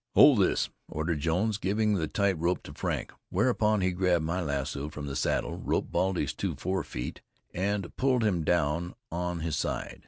"Hold this," ordered Jones, giving the tight rope to Frank. Whereupon he grabbed my lasso from the saddle, roped Baldy's two forefeet, and pulled him down on his side.